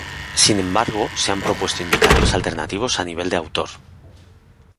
Sin embargo, se han propuesto indicadores alternativos a nivel de autor.